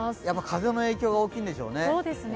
風の影響が大きいんでしょうね。